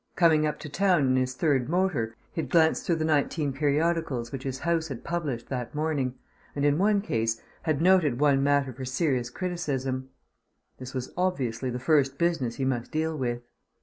Coming up to town in his third motor, he had glanced through the nineteen periodicals which his house had published that morning, and in one case had noted matter for serious criticism. This was obviously the first business he must deal with.